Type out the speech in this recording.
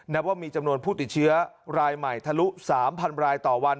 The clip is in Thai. ว่ามีจำนวนผู้ติดเชื้อรายใหม่ทะลุ๓๐๐รายต่อวัน